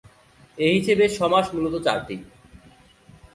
এ হিসেবে সমাস মূলত চারটি।